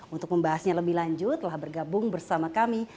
untuk membahasnya lebih lanjut telah bergabung bersama kami